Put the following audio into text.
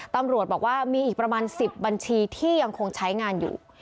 ตำรวจบอกว่ามีอีกประมาณ๑๐บัญชีที่ยังคงใช้งานอยู่